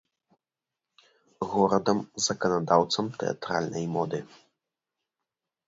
Горадам заканадаўцам тэатральнай моды.